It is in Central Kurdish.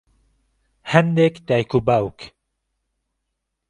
هەندێک دایک و باوک